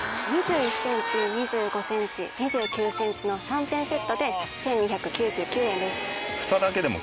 ２１ｃｍ２５ｃｍ２９ｃｍの３点セットで１，２９９円です。